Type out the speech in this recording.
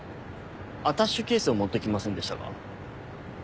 アタッシュケースを持ってきませんでしたか？